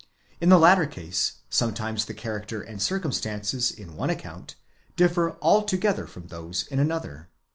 In the latter case, sometimes the character and circumstances in one account differ altogether from those in another.